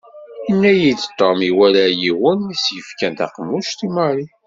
Yenna-yi-d Tom iwala yiwen i s-yefkan taqemmuct i Mary.